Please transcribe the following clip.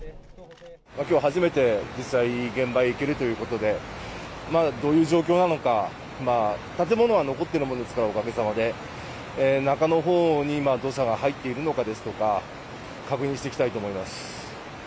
きょう初めて、実際、現場へ行けるということで、まだどういう状況なのか、建物は残ってるものですから、おかげさまで、中のほうに土砂が入っているのかですとか、確認してきたいと思います。